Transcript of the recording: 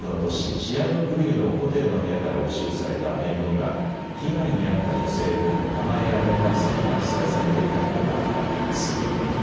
シアヌークビルのホテルの部屋から押収された名簿には被害に遭った女性の名前や連絡先が記載されていたことが分かっています。